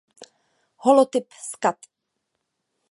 Holotyp s kat.